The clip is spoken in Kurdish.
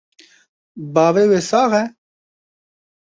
Bavê wê sax e?